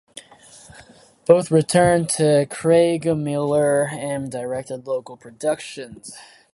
Both returned to Craigmillar and directed local productions.